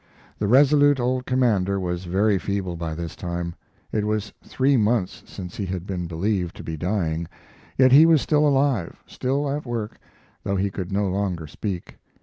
The resolute old commander was very feeble by this time. It was three months since he had been believed to be dying, yet he was still alive, still at work, though he could no longer speak.